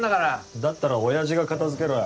だったらおやじが片付けろよ。